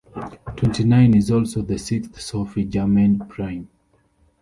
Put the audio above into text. Twenty-nine is also the sixth Sophie Germain prime.